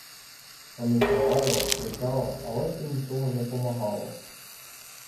Онися лаяла, кричала, але це нічого не помагало.